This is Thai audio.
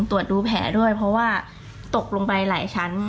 ตรวจดูแผลด้วยเพราะว่าตกลงไปหลายชั้น